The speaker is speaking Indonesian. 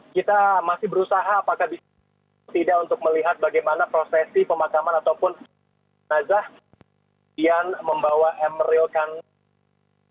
kita masih berusaha apakah bisa tidak untuk melihat bagaimana prosesi pemakaman ataupun nazah yang membawa emeril kandang